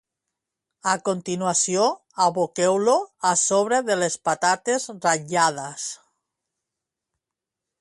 A continuació, aboqueu-lo a sobre de les patates ratllades.